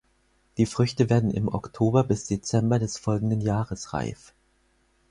Die Früchte werden im Oktober bis Dezember des folgenden Jahres reif.